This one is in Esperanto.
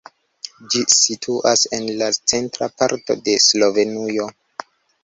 Ĝi situas en la centra parto de Slovenujo.